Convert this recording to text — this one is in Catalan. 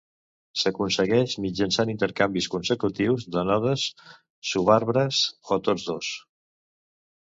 S'aconsegueix mitjançant intercanvis consecutius de nodes, subarbres o tots dos.